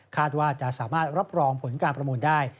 ว่าจะสามารถรับรองผลการประมูลได้